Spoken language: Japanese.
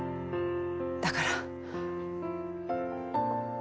だから。